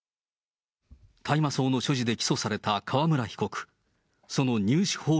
大麻草所持で起訴された川村被告。